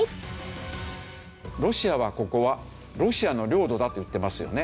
ロシアはここはロシアの領土だと言ってますよね。